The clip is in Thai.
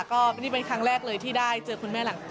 ก็นี่เป็นครั้งแรกเลยที่ได้เจอคุณแม่หลัง